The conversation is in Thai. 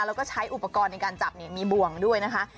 แล้วก็ใช้อุปกรณ์ในการจับมีบ่วงด้วยนะคะ